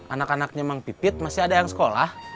anak anaknya meng pipit masih ada yang sekolah